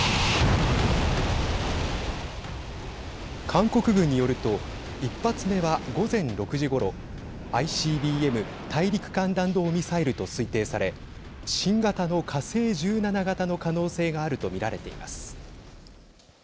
韓国軍によると１発目は、午前６時ごろＩＣＢＭ＝大陸間弾道ミサイルと推定され新型の火星１７型の可能性があるとみられています。